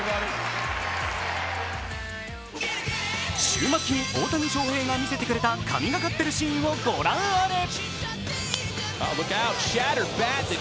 週末に大谷翔平が見せてくれた神がかったシーンをご覧あれ。